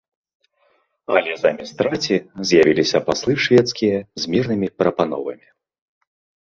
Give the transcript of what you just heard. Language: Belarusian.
Але замест раці з'явіліся паслы шведскія з мірнымі прапановамі.